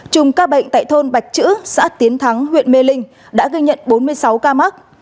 chùm ca bệnh tại thôn bạch chữ xã tiến thắng huyện mê linh đã ghi nhận bốn mươi sáu ca mắc